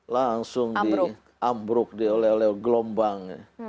langsung diambruk oleh gelombang